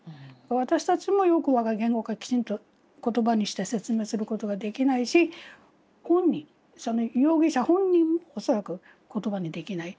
私たちもよく言語化きちんと言葉にして説明することができないしご本人容疑者本人も恐らく言葉にできない。